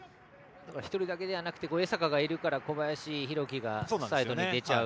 １人だけでなくて江坂がいるから小林が出ちゃう。